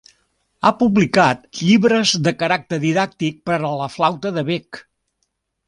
Ha publicat llibres de caràcter didàctic per a la flauta de bec.